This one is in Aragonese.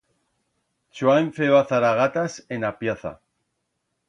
Chuan feba zaragatas en a plaza.